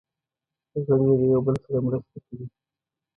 غړي یې د یو بل سره مرسته کوي.